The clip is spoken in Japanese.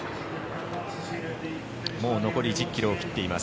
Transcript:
もう残り１０ｋｍを切っています。